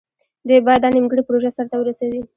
دوی باید دا نیمګړې پروژه سر ته ورسوي.